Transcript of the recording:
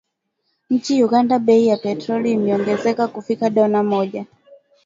Nchini Uganda bei ya petroli imeongezeka kufikia dola moja